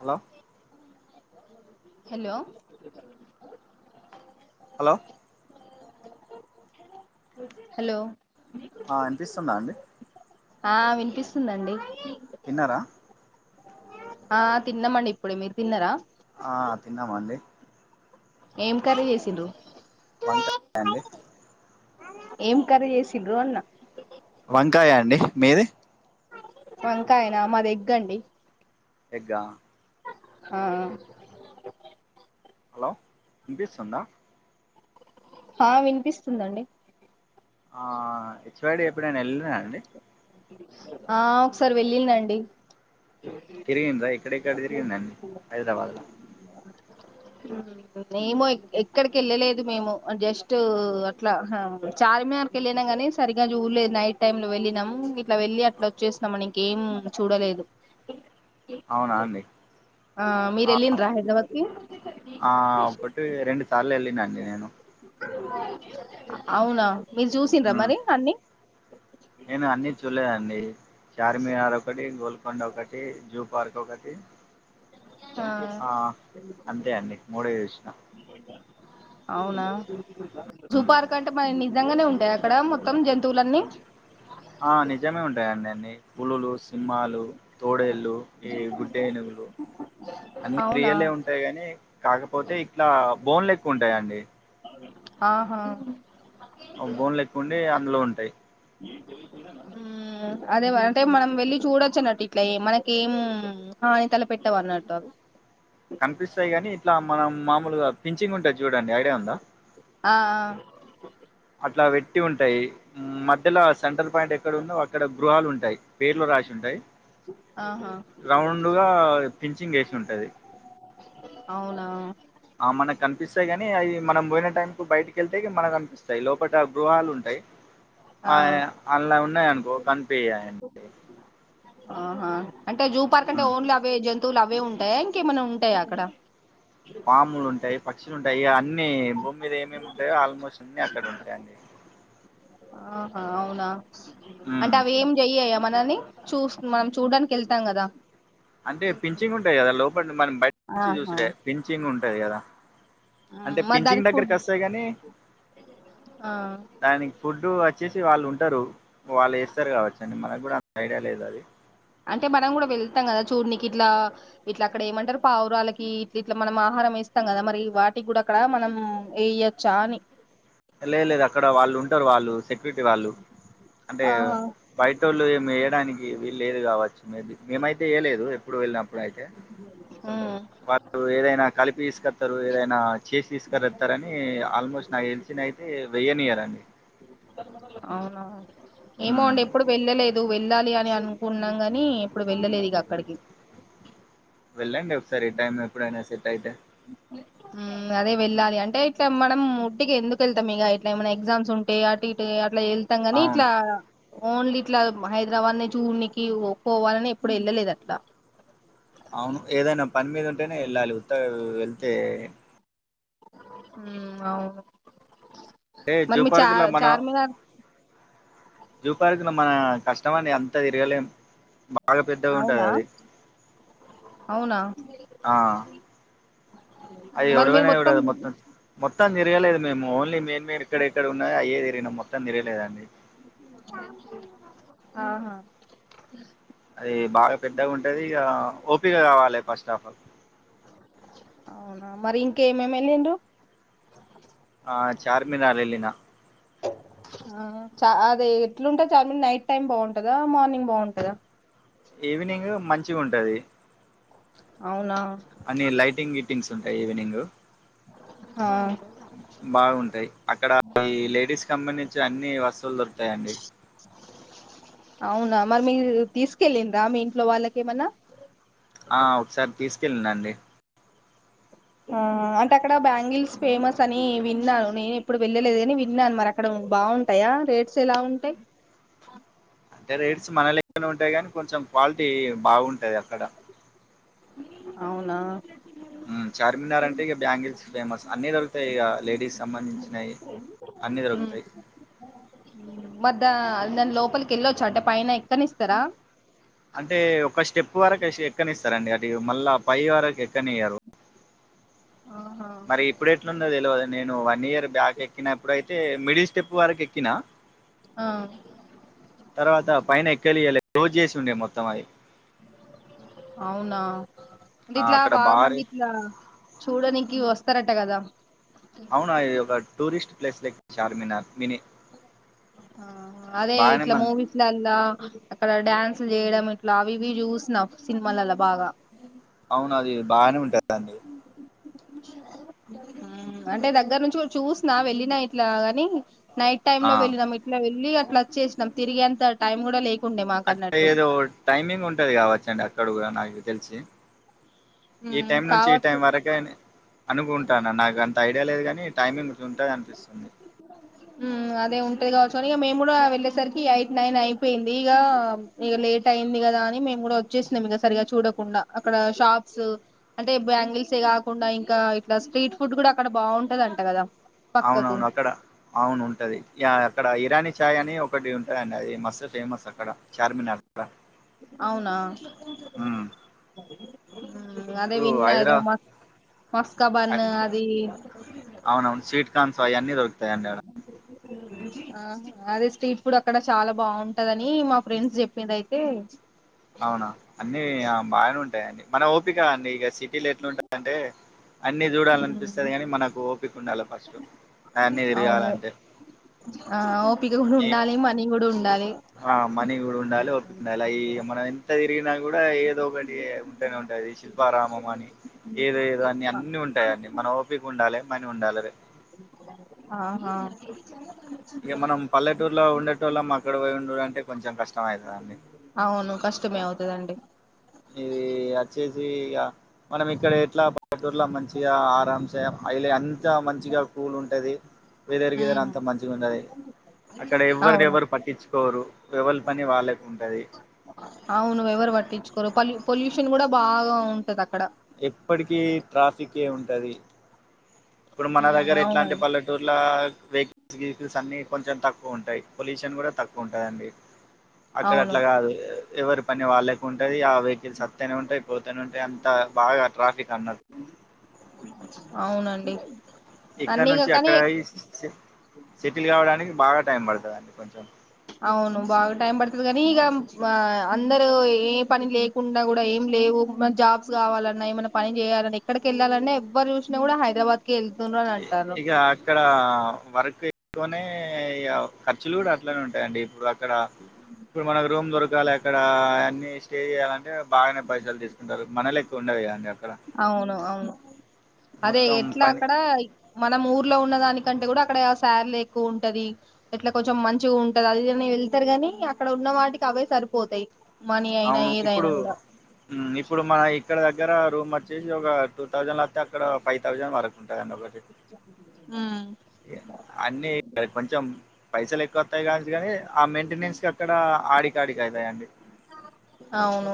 Hello hello hello hello ఆ వీనిపిస్తుందా అండి ఆ వినిపిస్తుందండి తీన్నార ఆ తిన్నామండి ఇప్పుడే మీరు తిన్నారా ఆ తిన్నామండి ఎం కర్రి చేసిర్రూ వంకాయా అండి ఎం కర్రి చేసిర్రూ అన్న వంకాయ అండి మీది వంకాయనా మాది ఏగ్గండి ఎగ్గ ఆ ఆా హలో వీనీపిస్తోంద ఆ వినిపిస్తుందండి హేచ్ వై డి ఎప్పుడైనా వెళ్ళిర్ర అండి ఆ ఒకసారి వెళ్ళినండి తిరిగిగిండ్రా ఏక్కడేక్కడ తిరిగిందండి హైదరాబాద్ ల మేమ ఎక్కడికి వెళ్ళలేదు మేము జస్ట్ అట్లా చార్మినార్ వెళ్ళినా కాని సరిగ్గా చూడలేదు నైట్ టైమ్ లో వెళ్ళినం ఇట్లా వెళ్లి అట్లా వచ్చేస్తున్నాం ఇంకేం చూడలేదు అవునా అండి మీరు ఆ వెళ్ళిండ్రా హైదరాబాద్ కి ఆ ఒకటి రెండు సార్లు వెళ్ళినండి నేను అవునా మీరు చూసిండ్రా ఉమ్ మరి అన్నిీ నేను అన్ని చూలేదండి చార్మినార్ ఒకటి గోల్కొండ ఒకటి జూ పార్క్ ఒకటి ఆ అంతే అండి మూడే చూసిన అవునా సూపార్క్ అంటే మన నిజంగానే ఉంటాయ అక్కడ మొత్తం జంతువులన్నీ ఆ నిజమే ఉంటాయి అండి అన్ని పులులు సింహాలు తోడేళ్ళు ఈ గుడ్డేనుగులు అన్ని అవునా రియలే ఉంటాయి గాని కాకపోతే ఇట్లా బోన్లెక్క ఉంటాయండి ఆహా ఆ బోన్ లెక్క ఉండి అందులో ఉంటాయి ఆ అదే అంటే మనం వెళ్ళలి చూడొచ్చు అన్నట్టు ఇట్లా మనకు ఏం హాని తల పెెట్టవన్నట్టు అవి కనిపిస్తాయి గాని ఇట్లా మనం మామూలుగా పిించింగ్ ఉంటది చూడండి ఐడియా ఉందా ఆ ఆ అట్లా పెట్టి ఉంటాయి మధ్యలో సెంట్రల్ పాయింట్ ఎక్కడ ఉందో అక్కడ గృహాలు ఉంటాయి పేర్లు రాసి ఉంటాయి ఆ, ఆహా రౌండ్గా ఫించిింగ్ వేసి ఉంటాది అవునా ఆ మనకు కనిపిస్తాయి గాని అయి మనం పోయిన టైం కు బయటికెళ్తే మనకు కనిపిస్తాయి లోపల గృహాలు ఉంటాయి ఆ అళ్ల ఉన్నాయనుకో కనిపియయండి ఆహా అంటే జూ పార్క్ అంటే ఓన్లీ అవే జంతువులు అవే ఉంటాయా ఇంకేమై ఉంటాయా అక్కడ పాములు ఉంటయి, పక్షులు ఉంటయి అన్ని భూమి మీద ఏమేమి ఉంటయో ఆల్మోస్ట్ అన్ని అక్కడ ఉంటయి అండి. ఆహా అవునా ఉమ్ అంటే అవి ఏం చెయ్యయా. మనల్ని చూస్ మనం చూడ్డానికి ఎళ్తం కదా. అంటే పిఛింగ్ ఉంటది కదా లోపట మనం బయట నుంచి ఆహా చూసుడే పిఛింగ్ ఉంటది కదా. అంటే మ్మ్. మరి పించిగ్ దానికి ఫుడ్ దగ్గరకి అస్తయి కానీ ఆ దానికి ఫుడ్డు వచ్చేసి వాళ్ళు ఉంటరు, వాళ్ళు ఏస్తరు కావచ్చు అండి మనకు కూడా ఐడియా లేదు అది. అంటే మనం కూడా వెళ్తాం కదా చూడ్నికి ఇట్లా ఇట్లా, అక్కడ ఏమంటరు పావురాలకి ఇ ఇట్లా మనం ఆహా హారం ఎస్తం కదా మరి వాటికి కూడా అక్కడ మనం ఎయ్యోచ్చా అని. లేదు లేదు అక్కడ వాళ్ళు ఉంటరు వాళ్ళు సె క్యూరిటి వాళ్ళు అంటే ఆహా బయటోళ్ళు ఏమి ఏయడానికి వీలు లేదు కావచ్చు. మే బి మేమైతే ఏయలేదు ఎప్పుడు వెళ్ళినప్పుడు అయితే. ఆ వాళ్ళు ఏదైనా కలిపి తీసుకత్తరు, ఏదైనా చేసి తీసుకరత్తరు అని ఆల్మోస్ట్ నాకు తెలి సినయితే వెయ్యనియరండి. అవునా ఏమో మ్మ్ అండి ఎప్పుడు వెళ్ళలేదు, వె వెళ్ళాలి అని అనుకున్నం కాని ఎప్పుడు వెళ్ళలేదు ఇగ అక్కడికి. వెళ్ళండి ఒకసారి టైమ్ ఎప్పుడైనా సెట్ అయితే. అదే వెళ్ళాలి అంటే ఇట్లా మనం ఉట్టికి ఎందుకు ఎళ్తం ఇగ ఇట్లా ఏమైనా ఎగ్జామ్స్ ఉంటే అటు ఇటు ఇట్లా ఎళ్తం కని అవును ఇట్లా ఓన్లీ ఇట్లా హైదరాబాద్నే చూన్నికి పోవాలని ఎప్పుడు ఎళ్ళలేదు అట్లా. అవును ఏదైనా పని మీద ఉంటనే ఎళ్ళాలి ఉత్తగ వెళ్తే అవును మరి జూ మీ చా పార్క్ చార్మినార్ జూపార్క్ల మా కష్టమండి అంత తిరగలేం. బాగా పెద్దగ ఉంటది అవునా అది. అవునా ఆ అది మరి మీరు ఒడవనే ఒడవదు మొత్తం, మొత్తం తిరగలేదు మేము ఓన్లీ మెయిన్ మెయిన్ ఎక్కడ ఎక్కడ ఉన్నాయో అయ్యే తిరిగినం మొత్తం తిరగలేదండి. ఆహా అది బాగా పెద్దగా ఉంటది ఇగ ఓపీక కావాలె ఫస్ట్ ఆఫ్ ఆల్. అవునా మరి ఇంకేమేమి ఎళ్ళిండ్రు. ఆ చార్మినార్ ఎళ్ళినా. ఆ చ అది ఎట్లుంటది చార్మినార్ నైట్ టైమ్ బావుంటదా, మార్నింగ్ బావుంటదా. ఈవినింగ్ మంచిగ ఉంటది. అవునా అన్ని లైటింగ్ గీటింగ్స్ ఉంటయి ఈవినింగ్. ఆ బాగుంటయి అక్కడ ఈ లేడీస్కి సంబంధిం చి అన్ని వస్తువులు దొరుకుతయండి. అవునా మరి మీరు తీసుకెళ్ళింర్రా మీ ఇంట్లో వాళ్ళకేమన్నా. ఆ ఒకసారి తీసుకెళ్ళినా అండి. ఆ అంటే అక్కడ బ్యాంగిల్స్ ఫేమస్ అని విన్నాను, నేను ఎప్పుడు వెళ్ళలేదు కాని విన్నాను మరి అక్కడ బావుంటయా? రేట్స్ ఎలా ఉంటయి? అంటే రేట్స్ మన లెక్కనే ఉంటయి కానీ కొంచెం క్వాలిటీ బావుంటయి అక్కడ. అవునా చార్మినార్ అంటే ఇగ బ్యాంగిల్స్ ఫేమస్. అన్ని దొరుకుతయి ఇగ లేడీస్ సంబంధించినయి. అన్నీ దొరుకుతయి. మధ నను లోపలికి వెళ్ళొచ్చు అంటే పైన ఎక్కని ఇస్తారా అంటే ఒక స్టెప్ వరకు ఎక్కని ఇస్తారండి అటు మళ్ళా పై వరకు ఎక్కనయ్యారు ఆహా మరి ఇప్పుడు ఎట్లుండో తెలియవదు నేను వన్ ఇయర్ బ్యాక్ ఎక్కినప్పుడుయితే మిడిల్ స్టెప్ వరకు ఎక్కినా ఆ తర్వాత పైన ఎక్కలియాలి క్లోజ్ చేసి ఉండే మొత్తం అది అవునా అంటే ఆ ఇట్లా అక్కడ బాగా మంది భారీ ఇట్లా చూడనికి వస్త తారట కదా అవునా ఇ ఒక టూరిస్ట్ ప్లేస్ లెక్క చార్మినార్ మినీ అదే బాగానే ఇట్లా మన్ మూవీస్లల్లా అక్కడ డ్యాన్స్ చేయడం ఇట్లా అవి ఇవి చూసిన్ సినిమాలలా బాగా అవును అది బాగానే ఉంటుదండి అంటే దగ్గర నుంచి కూడా చూసిన వెళ్ళినా ఇట్లా గాని నైట్ టైమ్ ఆ లో వెళ్ళినాం ఇట్లా వెళ్ళి అట్లా వచ్చేసినాం తిరిగేంత టైం కూడా లే అక్క ఏదో టైమింగ్ ఉంటది కావచ్చండి అక్కడ కూడా నాకు తెలిసి ఈ టైం నుంచి ఈ టైం కావచ్చు వరకే అనుకుంటాను నాకు అంత తెయలేదు కాని టైమింగ్ ఉంటాగా అనిపిస్తుంది అదే ఉంటది కావచ్చు ఇక మేము కూడా వెళ్ళేసరికి ఎయిట్ నైన్ అయిపోయింది ఇక లేట్ అయింది కదా అని మే కూడా వచ్చేం సరిగా చూడకుండా అక్కడ షాప్స్ అంటే బంగిల్సే కాకుండా ఇంకా ఇట్లా స్ట్రీట్ ఫుడ్ కూడా అక్కడ బాగుంటదింట కదా పక్కకు అవునవును అక్కడ అవును ఉంటది అక్కడ ఇరానీ చాయ్ అని ఒకటి ఉంటాందండి అది మస్ ఫేమస్ అక్కడ చార్మినార్క్క అవునా అదే ఇప్పుడు విన్ఐదో హైదరా మస్ మస్కా బన్ అది అవునవును స్వీకాన్స్ అవన్నీ దొరుకుతాయండి [inaudible] ఆ అదే స్ట్రీట్ ఫుడ్ అక్కడ చాలా బాగుంటదని మా ఫ్రెండ్స్ చెప్పింది అయితే అవునా అన్నీ బాగానే ఉంటాఅండి మన ఓపిక అండి ఇక సిటీలు ఎట్లాంటాందంటే అన్ని ఉమ్, చూడాలనిపిస్తుంది ని మనకు ఓపిక ఉండాలి ఫస్ట్ అన్ని అవును తిరగాలంటే ఆ ఓపిక కూడా ఈ ఉండాలి మనీ కూడా ఉండాలి ఆ మనీ కూడా ఉండలే అలా ఈ మనం ఎంత తిరిగినా కూడా ఏదో ఒకటి ఉంటేనే ఉంటది శిల్పారామం అని ఏదో ఏదో అన్ని అన్నన్ని ఉంటాయి అడి మన ఓపకి ఉండాలి మనీ ఉండాలి ఆహా ఇక మనం పల్లెటూరులో ఉండేట వాళ్ల అక్కడ పో ఉండ అంటే కొంచెం కష్టం అవుతుందండి అవును కష్టం అదండి ఇది వచ్చేసి ఇక మనం ఇక్కడతే ఇట్లా బడూర్లో మంచిగా ఆరా స అయిలే అంత మంచిగా కూల్ ఉంటంది వదేరికిదర అంతా మంచిగా ఉంటది అక్కడ ఎవరు అవును ఎవరు పట్టించుకోరు ఎవరి పని వాళ్ళకు ఉంటది అవును ఎవరు పట్టించుకోరు ప పొల్యూషన్ కూడా బాగా ఉంటది అక్కడ ఎప్పటికి ట్రాఫిక్కె ఉంటది ఇప్పుడు మన దగ్గర ఎట్లా అంటే అవునండి పల్లెటూర్ల వెహికల్స్ వెహికల్స్ అన్ని కొంచెం తక్కువ ఉంటాయి పొల్యూషన్ కూడా తక్కువ ఉంటాందండి అక్కడ అవును అట్లా కాదు ఎ ఎవరి పని వాళ్ళకి ఉంటది ఆ వెహికల్స్ అత్తనే ఉంటాయ్ పోతనే ఉంటాయ్ అంత బాగా ట్రాఫిక్ అన్నట్ అవునండి ఇక్కడ అన్నీ ఇగ నుంచి కానీ అక్కడ అయ్యి సెటిల్ కావడానికి బాగా టైం పడుతదండి కొంచెం అవును బాగా టైం పడుతది కానీ ఇగ అందరూ ఏ పని లేకుండా కూడా ఏం లేవు ఏమన జాబ్స్ కావాలన్నా ఏమన్నా పని చేయాలన్నా ఎక్కడికి వెళ్ళాలన్నా ఎవ్వరు చూసినా కూడా హైదరాబాద్ కెళ్తున్నారు అని అంటార్రు తోనే ఇగ ఖర్చులు కూడా అట్లనే ఉంటాయండి ఇప్పుడు అక్కడ ఇప్పుడు మనకు రూమ్ దొరకాలె అక్కడ అన్ని స్టే చేయాలంటే బాగానే పైసలు తీసుకుంటారు మనలెక్కు ఉండదిగా అమడి అక్ అవును అవును అదే మొత్తం ఎట్లా పని అక్కడ మనం ఊర్లో ఉన్న దానికంటే కూడా అక్కడ శార్లు ఎక్కువ ఉంటది ఎట్లా కొంచెం మంచిగా ఉంటది అది అన్ వెళ్తారు గాని అక్కడ ఉన్న వాటికి అవే సరిపోతాయ్ అవును ఇప్పుడు ఉమ్ ఇప్పుడు మన ఇక్కడ దగ్గర రూమ్ వచ్చేసి ఒక టూ థౌసండ్ అక్కడ ఫైవ్ థౌసండ్ వరకు ఉంటదండి ఉమ్ అన్నీ కొంచెం పైసలు ఎక్కువ వత్తాయ్ కా కాని ఆ మెయింటెనెన్స్ కి అక్కడ ఆడికాడికి అవుతాయండి అవును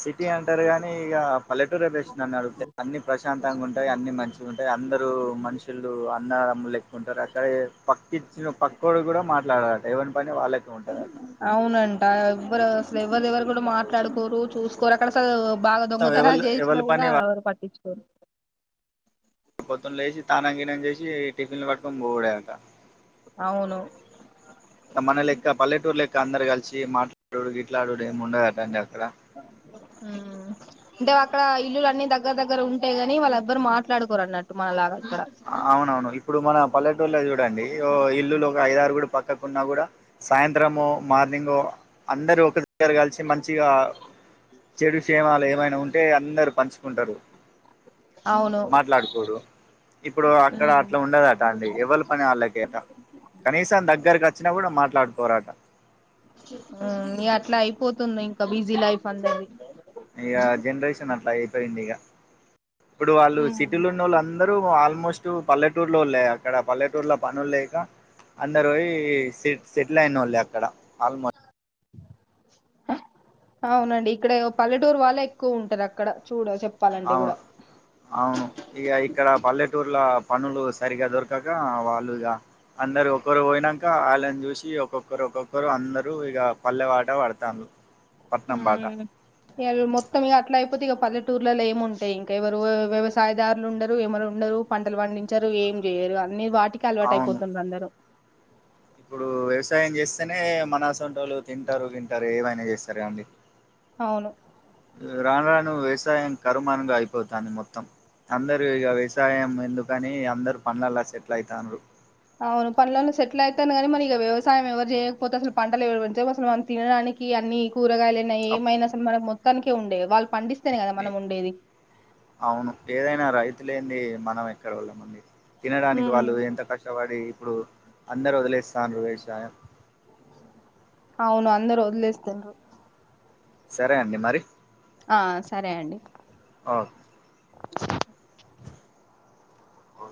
సిటీ అంటారు గాని ఇక పల్లెటూరు బెస్ట్ నన్ను అడుగుతే అన్ని ప్రశాంతంగా ఉంటాయ్ అన్ని మంచిగా ఉంటాయ్ అన్ని అందరు మనుషులు అన్నమ్మలు లెక్కుంటారు అక్కడ పక్కిచ్చిన పక్కోడు కూడా మాట్లాడరు ఏవని పని వాళ్ళకే ఉంటది అవునంట ఎవరు అసలు ఎవరు ఎవరు కూడా మాట్లాడుకోరు చూసుకోరు అక్కడ అసలు బాగా మొత్తం దొంగతనాలు ఎవళు ఎవళ చేసినా కూడా పని వాళ్ళు ఎవరు పట్టిచ్కోరు పొద్దున్న లేేసి తాన గీనం చేసి టిఫిన్లు పట్కొని పోవుడే అంట అవును మన లెక్క పల్లెటూరు లెక్క అందరు కలిసి మాట్లాడుడు గీ ట్లాడుడ ఏ ముండదట అండి అక్కడ ఉమ్ అంటే అక్కడ ఇల్లులన్ని దగ్గర దగ్గర ఉంటేగాని ఎవరు మాట్లాడుకోరు అన్నట్టు మనలాగా ఇక్కడ అవునవును ఇప్పుడు మన పల్లెటూరులో చూడండి ఓ ఇల్లులు ఒక ఐదారు కూడా పక్ పక్కకున్నా కూడా సాయంత్రమో, మార్నింగో అందరూ ఒకర్ దగ్గర కలిసి మంచిగా చెడు క్షేమాలు ఏమైనా ఉంటే అందరు పంచుకుంటరు అవును మాట్లాడుకోరు ఇప్పుడు అక్కడ ఉమ్ అట్లా ఉండదట అండి ఎవ్వళ్ళు పని వాళ్ళకే అట కనీసం దగ్గరకు వచ్చినా కూడా మాట్లాడుకోరు అట ఉమ్ అట్లా అయిపోతుంది ఇంకా బిజీ లైఫ్ అందరిది ఇగ జనరేషన్ అట్లా అయిపోయింది ఇగ ఇప్పుడు వాళ్ళు ఉమ్ సిటీలో ఉన్నోళ్ళు అంద అందరూ ఆల్మోస్ట్ పల్లెటూర్లో వోళ్ళే అక్కడ పల్లెటూర్లో పనుల్లేక అందరు పోయ్ సె సెటిల్ అయిన వోళ్ళే అక్కడ ఆల్మో అవునండి ఇక్కడే పల్లెటూరు వాళ్ళే ఎక్కువ ఉంటరు అక్కడ చూడ చెప్ అవు అవును ఇక ఇక్కడ పల్లెటూర్ల పనులు సరిగా దొరకక వాళ్ళు ఇగా అందరు ఒక్కరు పోయినంక వాళ్ళని చూసి ఒక్కొక్కరు ఒక్కొక్కరు అందరూ ఇక పల్లెవాట పడతాండ్రు పట్నం బాట ఉమ్ ఇగ మొత్తం ఇక అట్లా ఐపోతే ఇక పల్లేటూర్లలో ఏమి ఉంటాయ్ ఇంకా ఎవరు వ్యవసాయదారులు ఉండరు ఎమరు ఉండరు పంటలు పండించరు ఏం చేయరు అన్ని వాటికి అలవాటు అవును అయిపోతుంది అందరూ ఇప్పుడు వ్యవసాయం చేస్తేనే మన సంటోళ్ళు తింటరు గింటరు ఏమైనా చేస్తారుగా అండి అవును రాను రాను వ్యవసాయం కరుమానంగా అయిపోతాంది మొత్తం అందరు ఇగ వ్యవసాయం ఎందుకని అందరు పనులలా సెటిల్ అయితాన్నారు అవును పనులన్నీ సెటిల్ అయితాను కానీ మరి ఇక వ్యవసాయం ఎవరు చేయకపోతే అసలు పంటలు ఎవ అసలు మనం తినడానికి అన్ని కూరగాయలు అప్ ఏమైనా అసలు మన మొత్తాని ఉండే వాళ్ళు పండిస్ ఏ అవును ఏదైనా రైతులేంది మనం ఎక్కడ ఓళ్ళమండి తినడానికి ఉమ్ వాళ్ళు ఎంత కష్టపడి ఇప్పుడు అందరు వదిలేస్తాన్నరు అనేసి దాయ అవును అందరు వదిలేస్తన్నారు సరే అండి మరి ఆ సరే అండి ఆ ఓ